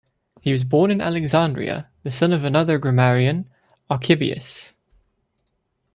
He was born in Alexandria, the son of another grammarian, "Archibius".